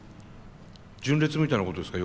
純烈みたいなことですか？